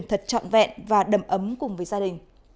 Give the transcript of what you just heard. thật trọn vẹn và đầm ấm cùng với gia đình